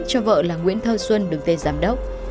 cho vợ là nguyễn thơ xuân đứng tên giám đốc